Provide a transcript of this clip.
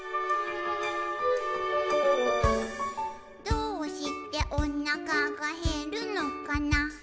「どうしておなかがへるのかな」